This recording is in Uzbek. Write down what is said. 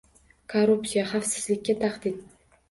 Korrupsiya – xavfsizlikka tahdid